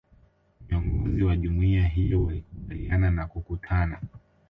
Viongozi wa Jumuiya hizo walikubaliana kukutana